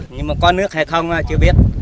nhưng mà có nước hay không chưa biết